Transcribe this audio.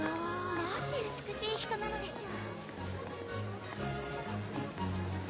何て美しい人なのでしょう